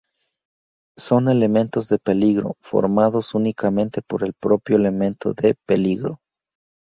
Son elementos de peligro formados únicamente por el propio elemento de peligro.